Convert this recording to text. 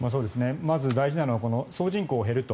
まず大事なのは総人口が減ると。